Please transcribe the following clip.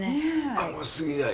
甘すぎない。